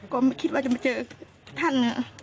ก็ไม่คิดว่าจะมาเจอท่าน